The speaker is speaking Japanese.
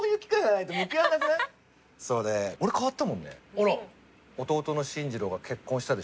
あら。